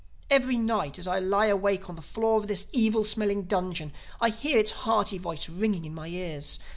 Every night as I lie awake on the floor of this evil smelling dungeon I hear its hearty voice ringing in my ears.